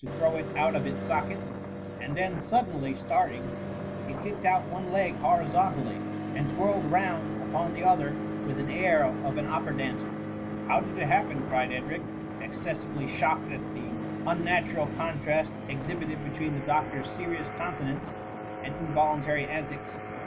throw it oiit of its socket ; and then, suddenly starting, he kicked out one leg horizontally, and twirled round upon the other with an air of an opera dancer. " How did it happen ?" cried Edric, exces sively shocked at the unnatural contrast exhi bited between the doctor's serious countenance, and involuntary antics.